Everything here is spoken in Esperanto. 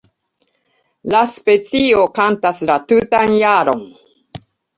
La specio kantas la tutan jaron.